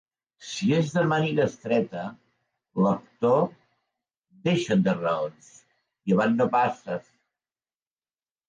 Si ets de màniga estreta, lector, deixa't de raons, i avant no passes!